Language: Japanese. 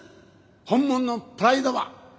本物のプライドは。